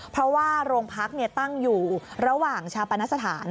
เพราะว่าโรงพักตั้งอยู่ระหว่างชาปนสถาน